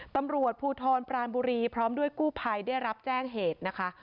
ตำรวจภูทรปรานบุรีพร้อมด้วยกู้ภัยได้รับแจ้งเหตุนะคะ